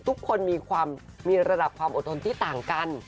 ทุกคนมีระดับความโอดทน